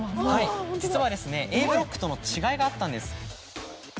はい実はＡブロックとの違いがあったんです。